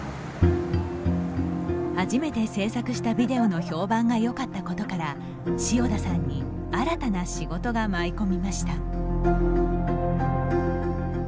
初めて制作したビデオの評判がよかったことから塩田さんに新たな仕事が舞い込みました。